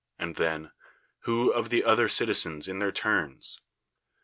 and then, "Who of the other citizens in their turns?"